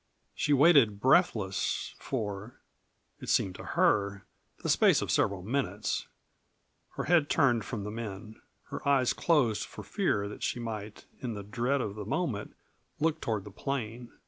She waited, breathless, for it seemed to her the space of several minutes, her head turned from the men, her eyes closed for fear that she might, in the dread of the moment, look toward the plain.